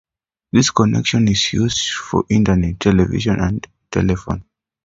This connection is used for internet, television and telephone.